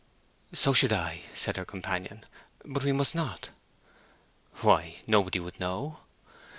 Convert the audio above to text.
"So should I," said her companion. "But we must not." "Why? Nobody would know."